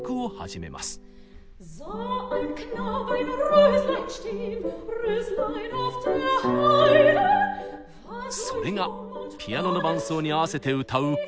それがピアノの伴奏にあわせて歌う歌曲。